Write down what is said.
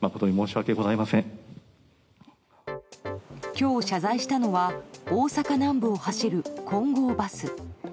今日謝罪したのは大阪南部を走る金剛バス。